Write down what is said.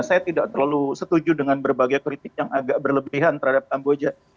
saya tidak terlalu setuju dengan berbagai kritik yang agak berlebihan terhadap kamboja